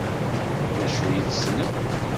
D acu i tessnem?